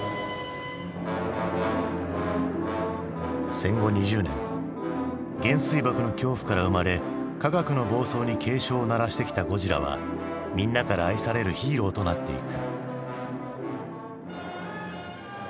戦後２０年原水爆の恐怖から生まれ科学の暴走に警鐘を鳴らしてきたゴジラはみんなから愛されるヒーローとなっていく。